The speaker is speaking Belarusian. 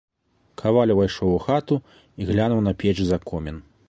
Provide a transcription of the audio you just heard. Каваль увайшоў у хату і глянуў на печ за комін.